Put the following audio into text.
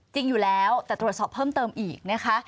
จริงแล้วแต่ตรวจสอบเพิ่มเติมอีกนะคะ